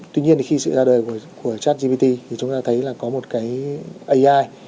tuy nhiên thì khi sự ra đời của chat gpt thì chúng ta thấy là có một cái ai